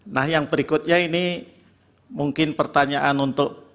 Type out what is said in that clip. nah yang berikutnya ini mungkin pertanyaan untuk